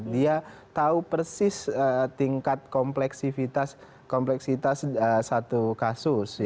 dia tahu persis tingkat kompleksitas satu kasus